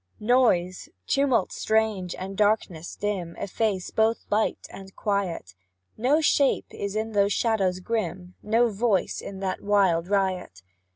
Noise, tumult strange, and darkness dim, Efface both light and quiet; No shape is in those shadows grim, No voice in that wild riot.